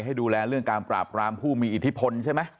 ให้ดูแลเรื่องการปราบรามผู้มีอิทธิพลใช่ไหม